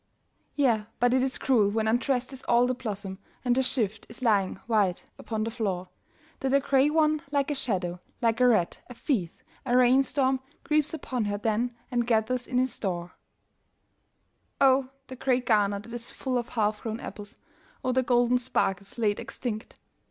Yea, but it is cruel when undressed is all the blossom, And her shift is lying white upon the floor, That a grey one, like a shadow, like a rat, a thief, a rain storm Creeps upon her then and gathers in his store. Oh, the grey garner that is full of half grown apples, Oh, the golden sparkles laid extinct